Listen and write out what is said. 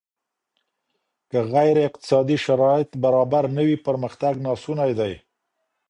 که غير اقتصادي شرايط برابر نه وي پرمختګ ناسونی دی.